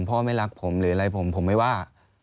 ไม่รักผมหรืออะไรผมผมไม่ว่า